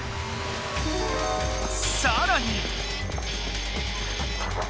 さらに。